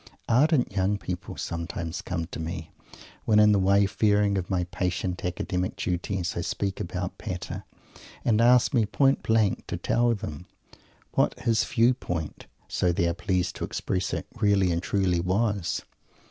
Ardent young people sometimes come to me, when in the wayfaring of my patient academic duties, I speak about Pater, and ask me point blank to tell them what his "view point" so they are pleased to express it "really and truly" was.